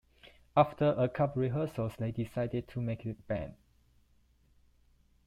After a couple rehearsals, they decided to make it a band.